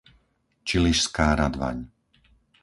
Čiližská Radvaň